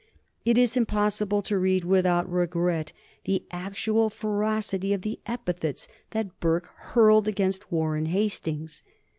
It is impossible to read without regret the actual ferocity of the epithets that Burke hurled against Warren Hastings.